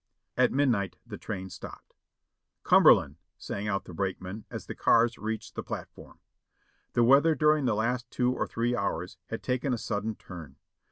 At midnight the train stopped. "Cumberland !" sang out the brakeman as the cars reached the platform. The weather during the last two or three hours had taken a sudden turn.